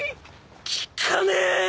効かねえ！